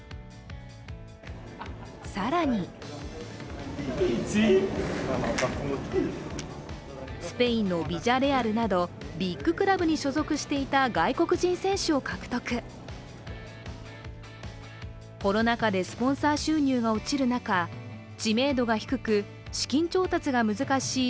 更にスペインのビジャレアルなどビッグクラブに所属していた外国人選手を獲得コロナ禍でスポンサー収入が落ちる中、知名度が低く、資金調達が難しい